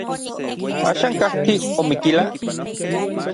¿Axan kajki Omiquila?